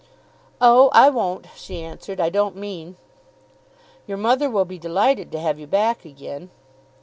"Oh, I won't," she answered. "I don't mean." "Your mother will be delighted to have you back again."